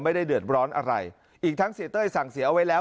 ไม่ได้เดือดร้อนอะไรอีกทั้งเสียเต้ยสั่งเสียเอาไว้แล้ว